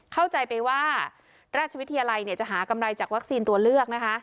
เข้าใจไปว่าราชวิทยาลัยจะหากำไรจากวัคซีนตัวเลือกนะคะ